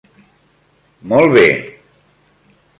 Molt bé.